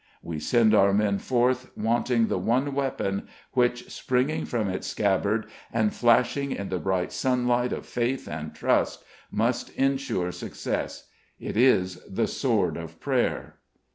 We send our men forth wanting the one weapon, which, springing from its scabbard, and flashing in the bright sunlight of Faith and Trust, must insure success. It is the Sword of Prayer.